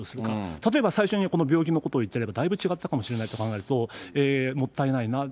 例えば最初にこの病気のことをいっていれば、だいぶ違ったかもしれないと考えると、もったいないなと。